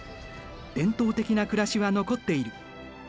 伝統的な暮らしは残っている。